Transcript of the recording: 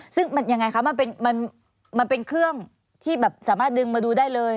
ซึ่งมันยังไงคะมันเป็นเครื่องที่แบบสามารถดึงมาดูได้เลย